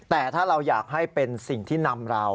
แต่ถ้าเราอยากให้เป็นสิ่งที่นำเรา